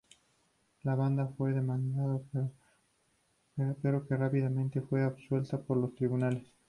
La banda fue demandado, pero que rápidamente fue absuelta por los tribunales.